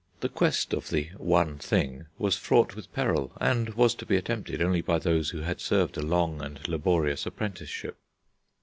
The quest of the One Thing was fraught with peril, and was to be attempted only by those who had served a long and laborious apprenticeship.